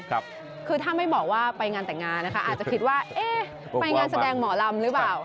คือถ้าไม่บอกว่าไปงานแต่งงานนะคะอาจจะคิดว่าเอ๊ะไปงานแสดงหมอลำหรือเปล่า